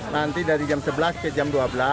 nanti dari jam sebelas ke jam dua belas